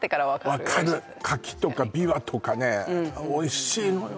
確かにわかる柿とかびわとかねおいしいのよ